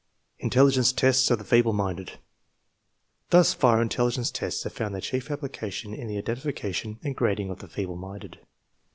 Intelligence tests of the feeble minded. Thus far intelli gence tests have found their chief application in the identi fication and grading of the feeble minded.